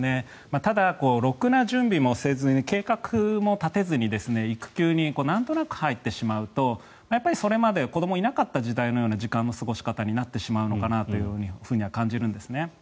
ただ、ろくな準備もせずに計画も立てずに育休になんとなく入ってしまうとやっぱりそれまで子どもがいなかった時代のような時間の過ごし方になってしまうのかなと感じるんですね。